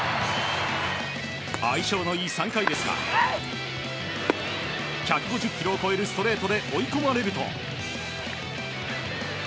相性のいい３回ですが１５０キロを超えるストレートで追い込まれると。